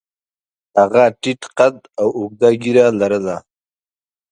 هغه ټیټ قد او اوږده ږیره لرله.